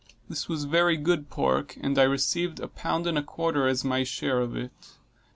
This was very good pork, and I received a pound and a quarter as my share of it.